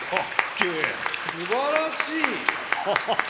すばらしい！